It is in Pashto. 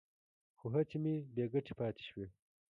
خو هڅې مې بې ګټې پاتې شوې.